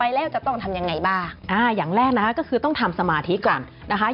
หรืออย่างไรฝากทะนงโคทนาศันรย์ก็วังไป